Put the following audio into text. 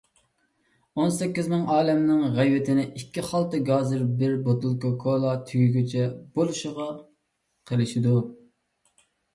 ئون سەككىز مىڭ ئالەمنىڭ غەيۋىتىنى ئىككى خالتا گازىر، بىر بوتۇلكا كولا تۈگىگىچە بولىشىغا قىلىشىدۇ.